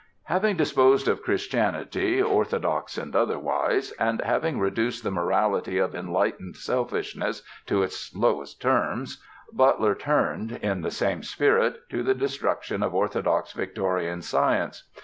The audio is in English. Having disposed of Christianity, orthodox and otherwise, and having reduced the morality of "enlightened selfishness" to its lowest terms, Butler turned in the same spirit to the destruction of orthodox Victorian science.